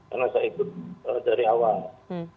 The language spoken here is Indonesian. karena saya ikut dari awal